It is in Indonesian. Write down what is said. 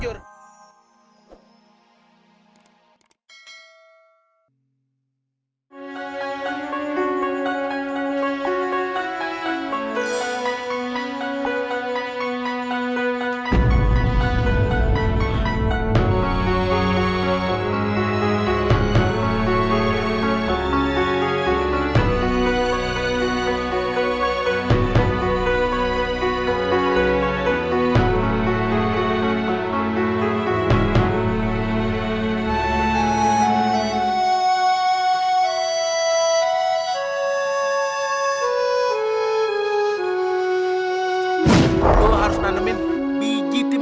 eat si hu sedeng digital